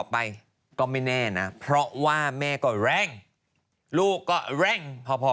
ไม่รู้ไงเพราะว่ามันต่างคนต่างคิด